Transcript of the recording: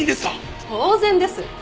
当然です。